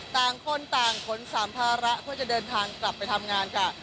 ต่างคนต่างขนสามภาระเพื่อจะเดินทางกลับไปทำงานค่ะ